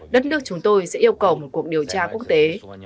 đất nước chúng tôi sẽ yêu cầu một cuộc điều tra quốc tế